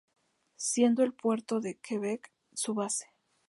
Siendo el puerto de Quebec su base.